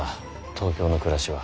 東京の暮らしは。